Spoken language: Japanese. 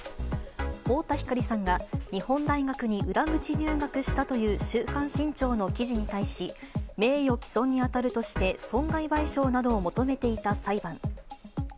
太田光さんが日本大学に裏口入学したという週刊新潮の記事に対し、名誉毀損に当たるとして、損害賠償などを求めていた裁判。